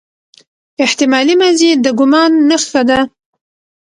احتمالي ماضي د ګومان نخښه ده.